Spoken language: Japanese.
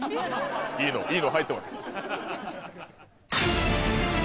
いいの入ってますか？